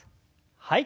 はい。